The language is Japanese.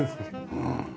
うん。